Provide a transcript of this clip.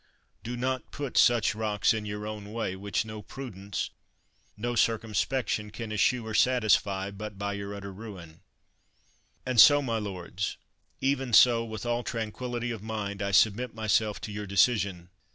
Do not put such rocks in your own way, which no prudence, no circum spection can eschew or satisfy, but bv vour utter ruin ! J And so my lords, even so, with all tranquillity ot mind, I submit myself to your decision.